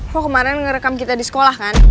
kok kemarin ngerekam kita di sekolah kan